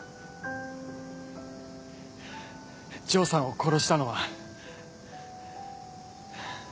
丈さんを殺したのは。